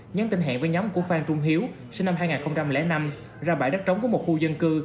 nhắn tin hẹn với nhóm của phan trung hiếu sinh năm hai nghìn năm ra bãi đất trống của một khu dân cư